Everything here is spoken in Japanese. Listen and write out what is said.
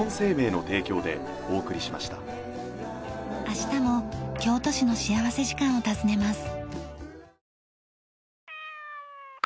明日も京都市の幸福時間を訪ねます。